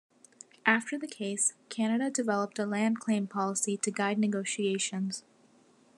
After the case, Canada developed a land claim policy to guide negotiations.